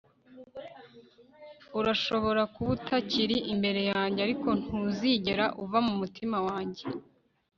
urashobora kuba utakiri imbere yanjye ariko ntuzigera uva mu mutima wanjye